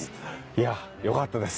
いやよかったです。